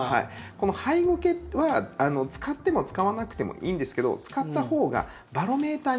このハイゴケは使っても使わなくてもいいんですけど使ったほうがバロメーターになるんですね。